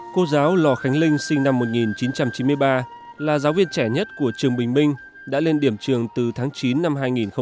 cô giáo lò khánh linh sinh năm một nghìn chín trăm chín mươi ba là giáo viên trẻ nhất của trường bình minh đã lên điểm trường từ tháng chín năm hai nghìn một mươi chín